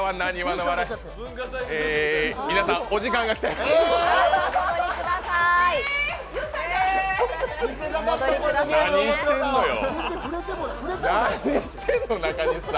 皆さん、お時間が来たようです。